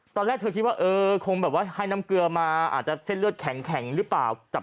ตอนแรกเธอคิดว่าเออคงแบบว่าให้น้ำเกลือมาอาจจะเส้นเลือดแข็งหรือเปล่า